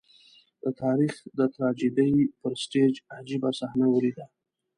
د تاریخ د ټراجېډي پر سټېج عجيبه صحنه ولیده.